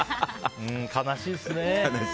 悲しいですね。